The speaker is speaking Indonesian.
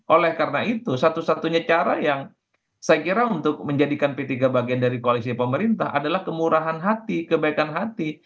oleh karena itu satu satunya cara yang saya kira untuk menjadikan p tiga bagian dari koalisi pemerintah adalah kemurahan hati kebaikan hati